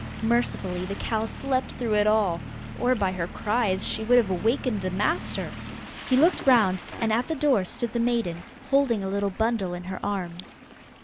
Mercifully, the cow slept through it all, or by her cries she would have awakened the master. He looked round, and at the door stood the maiden, holding a little bundle in her arms.